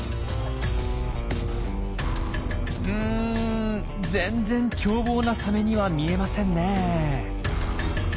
うん全然凶暴なサメには見えませんねえ。